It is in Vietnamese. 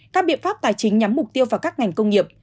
các biện pháp tài chính nhắm mục tiêu vào các ngành công nghiệp